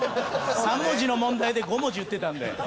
３文字の問題で５文字言ってたんで。